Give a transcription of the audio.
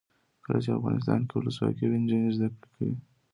کله چې افغانستان کې ولسواکي وي نجونې زده کړې کوي.